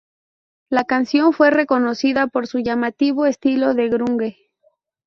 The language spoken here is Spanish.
La canción fue reconocida por su llamativo estilo de grunge.